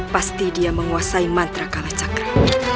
pasti dia menguasai mantra kalacakra